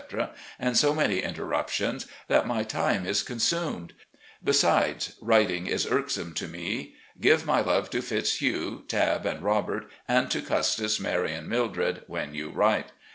and so many interruptions, that my time is consumed. Besides, writing is irksome to me. Give my love to Fitzhugh, Tabb, and Robert and to Custis, Mary, and Mildred when you write.